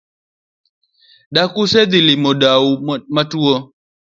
Dak usedhi limo dau matwo?